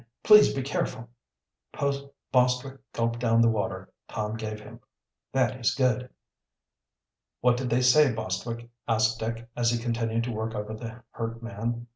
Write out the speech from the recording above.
Please be careful!" Bostwick gulped down the water Tom gave him. "That is good." "What did they say, Bostwick?" asked Dick, as he continued to work over the hurt man.